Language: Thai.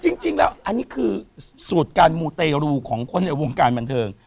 จริงแล้วอันนี้คือสูตรการมูเตรูของคนในวงการบันเทิง